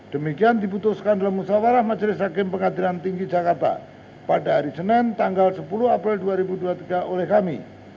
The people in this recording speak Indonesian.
demikian diputuskan dalam musyawarah majelis hakim pengadilan tinggi jakarta pada hari senin tanggal sepuluh april dua ribu dua puluh tiga oleh kami